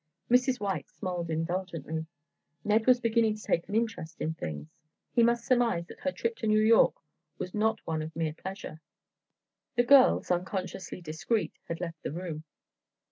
Mrs. White smiled indulgently. Ned was beginning to take an interest in things. He must surmise that her trip to New York was not one of mere pleasure. The girls, unconsciously discreet, had left the room.